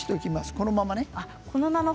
このままね。